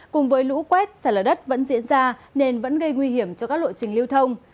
cùng với lũ quét xả lở đất vẫn diễn ra nên vẫn gây nguy hiểm cho các lộ trình lưu thông